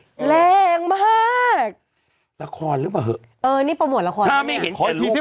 แรงมากละครหรือเปล่าเถอะเออนี่โปรโมทละครถ้าไม่เห็นขอลูก